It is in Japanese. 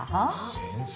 先生。